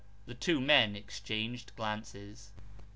The two men exchanged glances.